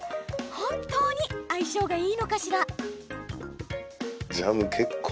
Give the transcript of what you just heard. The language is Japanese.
本当に相性がいいのかしら？